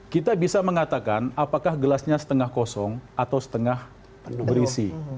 kita bisa mengatakan apakah gelasnya setengah kosong atau setengah berisi